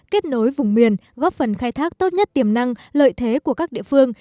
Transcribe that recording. kết nối vùng miền góp phần khai thác tốt nhất tiềm năng lợi thế của các địa phương